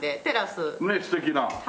ねえ素敵な。